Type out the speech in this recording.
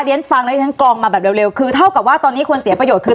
ฉันฟังแล้วที่ฉันกรองมาแบบเร็วคือเท่ากับว่าตอนนี้คนเสียประโยชน์คือ